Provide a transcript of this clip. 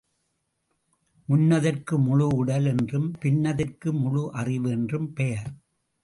முன்னதற்கு முழு உடல் என்றும், பின்னதற்கு முழு அறிவு என்றும் பெயர்.